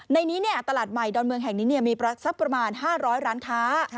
ในนี้ตลาดใหม่ดอนเมืองแห่งนี้มีสักประมาณ๕๐๐ร้านค้า